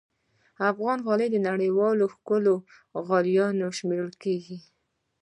افغاني غالۍ د نړۍ له ښکلو غالیو شمېرل کېږي.